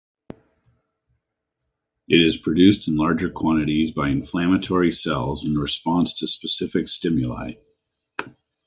It is produced in larger quantities by inflammatory cells in response to specific stimuli.